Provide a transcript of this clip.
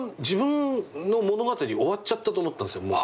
自分の物語終わっちゃったと思ったんですよ。